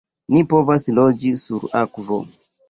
"Ni povas loĝi sur akvo!"